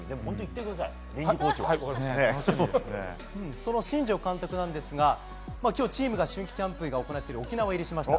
その新庄監督ですが今日、チームの秋季キャンプが行われている沖縄に入りました。